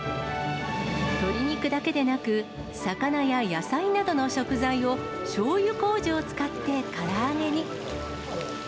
鶏肉だけでなく、魚や野菜などの食材を、しょうゆこうじを使ってから揚げに。